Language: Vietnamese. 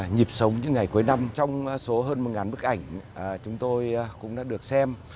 nhịp sống những ngày cuối năm trong số hơn một bức ảnh chúng tôi cũng đã được xem